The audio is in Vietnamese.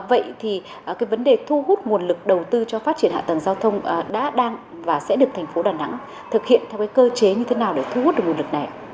vậy thì cái vấn đề thu hút nguồn lực đầu tư cho phát triển hạ tầng giao thông đã đang và sẽ được thành phố đà nẵng thực hiện theo cái cơ chế như thế nào để thu hút được nguồn lực này